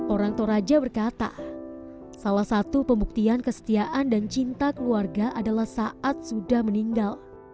orang toraja berkata salah satu pembuktian kesetiaan dan cinta keluarga adalah saat sudah meninggal